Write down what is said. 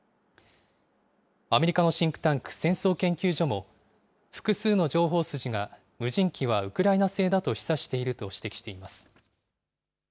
アメリカのシンクタンク、戦争研究所も、複数の情報筋が無人機はウクライナ製だと示唆していると指摘しています。